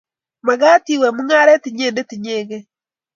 Magat iwe mungaret inyendet inyegei